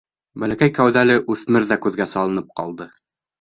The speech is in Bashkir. Бәләкәй кәүҙәле үҫмер ҙә күҙгә салынып ҡалды.